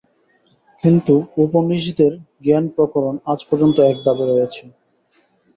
কিন্তু উপনিষদের জ্ঞানপ্রকরণ আজ পর্যন্ত একভাবে রয়েছে।